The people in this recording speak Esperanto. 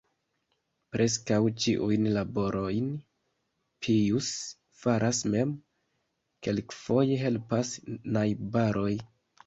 Preskaŭ ĉiujn laborojn Pijus faras mem, kelkfoje helpas najbaroj.